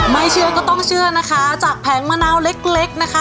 ไม่เชื่อก็ต้องเชื่อนะคะจากแผงมะนาวเล็กเล็กนะคะ